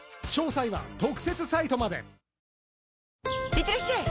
いってらっしゃい！